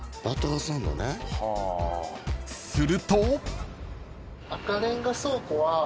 ［すると］